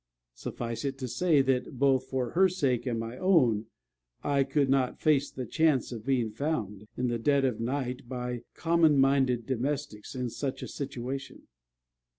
Suffice it to say, that both for her sake and my own, I could not face the chance of being found, in the dead of night, by common minded domestics, in such a situation.